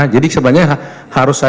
jadi sebenarnya harus